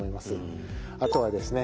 あとはですね